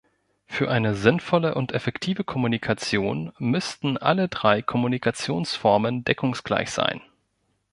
Für eine sinnvolle und effektive Kommunikation müssten alle drei Kommunikationsformen „deckungsgleich“ sein.